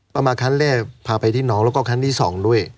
มาครั้งแรกพาไปที่น้องแล้วก็ครั้งที่๒ด้วย